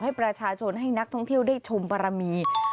ให้ประชาชนให้นักท่องเที่ยวได้ชมบารมี